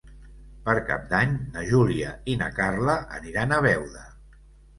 Per Cap d'Any na Júlia i na Carla aniran a Beuda.